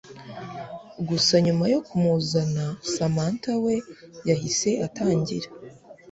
gusa nyuma yo kumuzana Samantha we yahise atangira